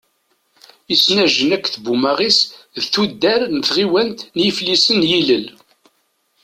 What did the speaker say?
Isenajen akked Bumaɣis d tuddar n tɣiwant n Iflisen n yilel.